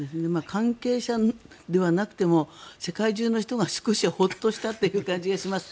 関係者ではなくても世界中の人が少しはホッとしたという感じがします。